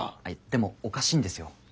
でもおかしいんですよ。